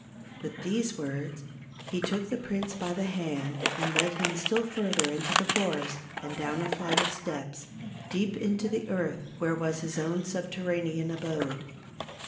With these words he took the prince by the hand and led him still further into the forest and down a flight of steps, deep into the earth where was his own subterranean abode.